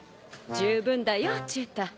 十分だよ忠太。